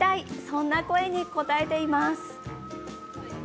そんな声に、応えています。